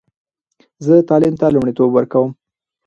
زه تعلیم ته لومړیتوب ورکوم.